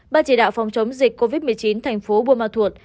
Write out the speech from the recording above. ban chỉ đạo phòng chống dịch covid một mươi chín thành phố buôn ma thuột